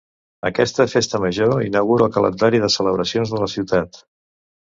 Aquesta festa major inaugura el calendari de celebracions de la ciutat.